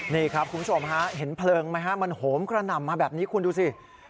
นี่ครับคุณผู้ชมฮะเห็นเพลิงไหมฮะมันโหมกระหน่ำมาแบบนี้คุณดูสิ